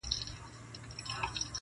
خراب خراب دي کړم چپه دي کړمه,